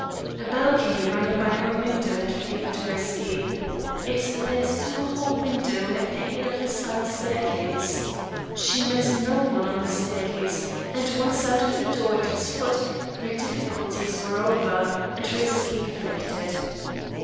A balcony running by her window had favoured her escape. It led to a hall window at the head of a side staircase. She met no one on the staircase, and, once out of the door at its foot, her difficulties were over, and her escape effected.